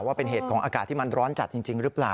ว่าเป็นเหตุของอากาศที่มันร้อนจัดจริงหรือเปล่า